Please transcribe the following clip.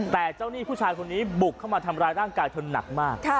แต่เจ้าหนี้ผู้ชายคนนี้บุกเข้ามาทำร้ายร่างกายเธอหนักมาก